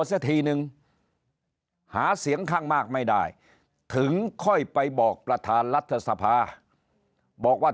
เสียทีนึงหาเสียงข้างมากไม่ได้ถึงค่อยไปบอกประธานรัฐสภาบอกว่า